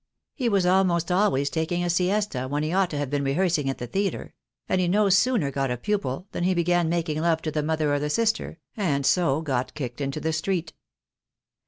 He was almost always taking a siesta when he ought to have been rehearsing at the theatre ; and he no sooner got a pupil than he began making love to the mother or the sister, and so got kicked into the street.